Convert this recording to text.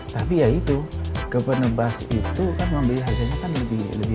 tapi ya itu ke penebas itu kan membeli harganya lebih murah